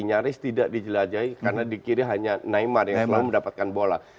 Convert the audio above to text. nyaris tidak dijelajahi karena di kiri hanya neymar yang selalu mendapatkan bola